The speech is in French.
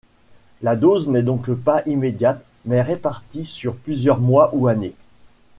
La dose n'est donc pas immédiate mais répartie sur plusieurs mois ou années.